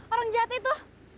orang jahat itu